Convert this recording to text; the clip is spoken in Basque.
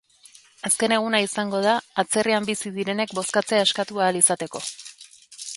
Azken eguna izango da atzerrian bizi direnek bozkatzea eskatu ahal izateko.